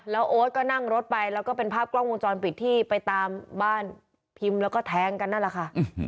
แล้วโอ๊ตก็นั่งรถไปแล้วก็เป็นภาพกล้องวงจรปิดที่ไปตามบ้านพิมพ์แล้วก็แทงกันนั่นแหละค่ะ